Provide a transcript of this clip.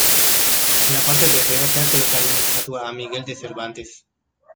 En la parte trasera se ha colocado una estatua a Miguel de Cervantes.